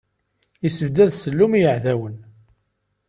Issebdad ssellum i yiɛdawen.